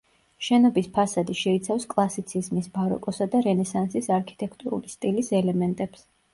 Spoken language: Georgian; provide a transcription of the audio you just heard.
შენობის ფასადი შეიცავს კლასიციზმის, ბაროკოსა და რენესანსის არქიტექტურული სტილის ელემენტებს.